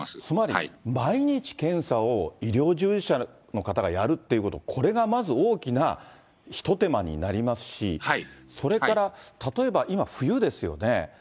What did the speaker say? つまり、毎日検査を医療従事者の方がやるっていうこと、これがまず大きな一手間になりますし、それから、例えば今、冬ですよね。